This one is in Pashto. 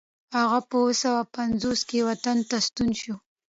هغه په اوه سوه پنځوس کې وطن ته ستون شو.